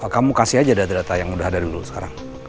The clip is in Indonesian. kamu kasih aja data data yang udah ada dulu sekarang